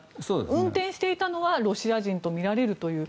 運転していたのはロシア人とみられるという。